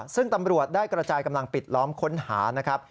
ซึ่งตำรวจได้กระจายกำลังปิดล้อมค้นหานะครับ